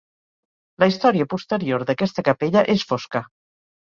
La història posterior d'aquesta capella és fosca.